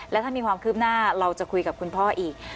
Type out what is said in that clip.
แล้วถ้ามีความคืบหน้าเราจะคุยกับคุณพ่ออีก